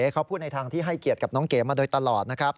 เขาพูดในทางที่ให้เกียรติกับน้องเก๋มาโดยตลอดนะครับ